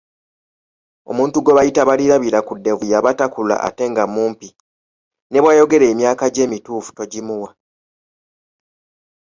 Omuntu gwe bayita Balirabirakuddevu yaba takula ate nga mumpi, ne bwayogera emyaka gye emituufu togimuwa.